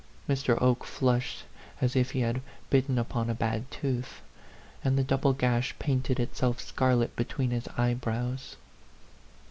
Mr. Oke flushed as if he had bitten upon a bad tooth, and the double gash painted itself scarlet between his eyebrows.